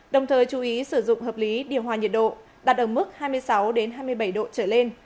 đồng thời chú ý sử dụng hợp lý điều hòa nhiệt độ đạt ở mức hai mươi sáu hai mươi bảy độ trở lên